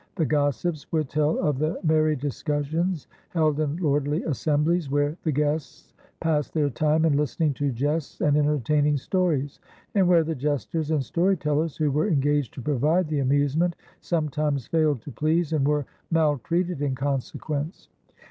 The gossips would tell of the merry discussions held in lordly assemblies where the guests passed their time in listening to jests and en tertaining stories, and where the jesters and story tellers who were engaged to provide the amusement sometimes failed to please and were maltreated in consequence.